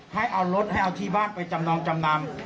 ให้เอารถให้เอาที่บ้านไปจำนองจำนำ